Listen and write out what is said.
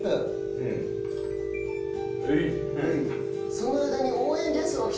その間に。